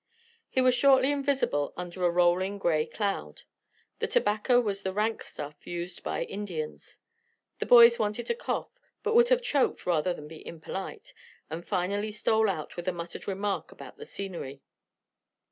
He was shortly invisible under a rolling grey cloud. The tobacco was the rank stuff used by the Indians. The boys wanted to cough, but would have choked rather than be impolite, and finally stole out with a muttered remark about the scenery.